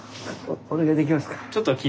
お願いできますか？